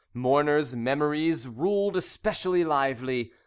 Mourners' memories ruled especially lively.